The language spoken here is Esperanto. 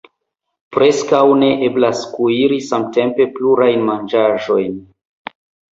Preskaŭ ne eblas kuiri samtempe plurajn manĝaĵojn.